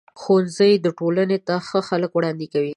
ښوونځی ټولنې ته ښه خلک وړاندې کوي.